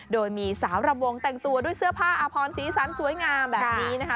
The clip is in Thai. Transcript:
โดยมีสาวรำวงแต่งตัวด้วยเสื้อผ้าอาพรสีสันสวยงามแบบนี้นะคะ